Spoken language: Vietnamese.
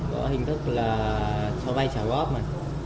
có hình thức là cho vay trả góp mà